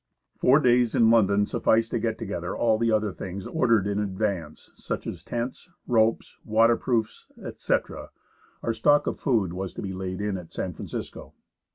Four days in London sufficed to get together all the other things ordered in advance, such as tents, ropes, waterproofs, etc. Our stock of food was to be laid in at San Fran cisco.'